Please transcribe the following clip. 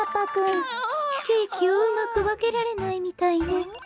ケーキをうまくわけられないみたいね。